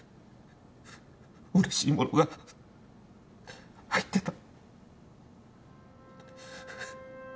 うれしいものが入ってた。